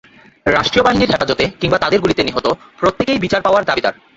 রাষ্ট্রীয় বাহিনীর হেফাজতে কিংবা তাদের গুলিতে নিহত প্রত্যেকেই বিচার পাওয়ার দাবিদার।